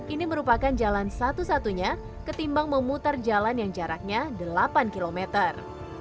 ini merupakan jalan satu satunya ketimbang memutar jalan yang jaraknya delapan kilometer